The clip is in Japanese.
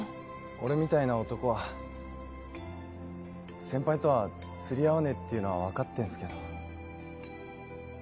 俺みたいな男は先輩とは釣り合わねえっていうのはわかってんすけど。